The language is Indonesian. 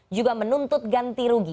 juga menuntut ganti rugi